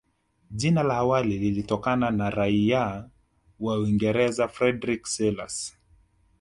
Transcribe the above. Jina la awali lilitokana na raia wa Uingereza Frederick Selous